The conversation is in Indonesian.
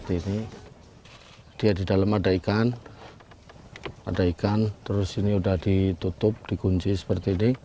ini dia di dalam ada ikan ada ikan terus ini udah ditutup digunc cor tujuh puluh